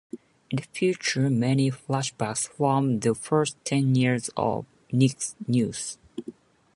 It featured many flashbacks from the first ten years of "Nick News".